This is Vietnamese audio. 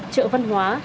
trợ văn hóa